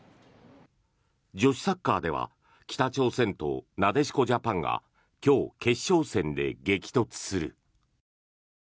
女子サッカーでは北朝鮮となでしこジャパンが今日、決勝戦で激突する。